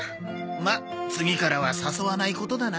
まあ次からは誘わないことだな。